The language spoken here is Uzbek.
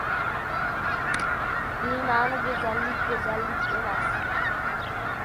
Bema’ni go‘zallik — go‘zallik emas.